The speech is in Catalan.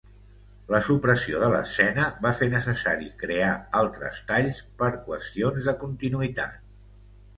La supressió de l'escena va fer necessari crear altres talls per qüestions de continuïtat.